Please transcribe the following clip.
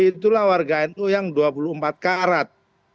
itulah warga nu yang dua puluh empat karat